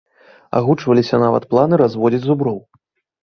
Агучваліся нават планы разводзіць зуброў.